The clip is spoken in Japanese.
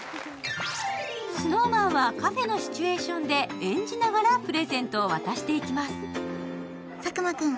ＳｎｏｗＭａｎは、カフェのシチュエーションで演じながらプレゼントを渡していきます。